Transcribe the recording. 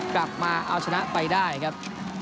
กลับมาเอาชนะไปได้ครับ